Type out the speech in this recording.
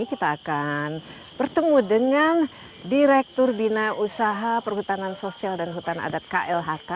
kita akan bertemu dengan direktur bina usaha perhutanan sosial dan hutan adat klhk